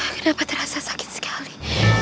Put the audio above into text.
kenapa terasa sakit sekali